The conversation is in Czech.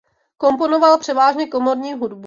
Komponoval převážně komorní hudbu.